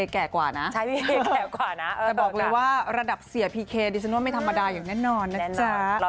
ก็เอาตามสมควรละกันค่ะตามเนื้อผ้า